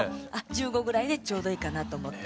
１５ぐらいでちょうどいいかなと思って。